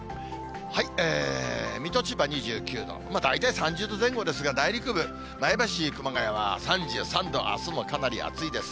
水戸、千葉２９度、大体３０度前後ですが、内陸部、前橋、熊谷は３３度、あすもかなり暑いです。